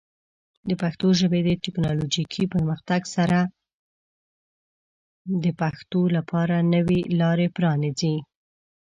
د پښتو ژبې د ټیکنالوجیکي پرمختګ سره، د پښتنو لپاره نوې لارې پرانیزي.